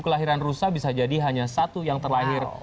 kelahiran rusa bisa jadi hanya satu yang terlahir